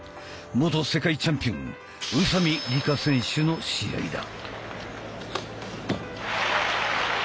元世界チャンピオン宇佐美里香選手の試合だ。